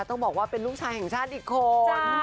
ต้องบอกว่าเป็นลูกชายแห่งชาติอีกคน